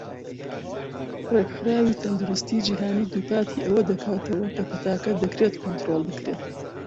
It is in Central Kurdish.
ڕێکخراوی تەندروستی جیهانی دووپاتی ئەوە دەکاتەوە کە پەتاکە دەکرێت کۆنترۆڵ بکرێت.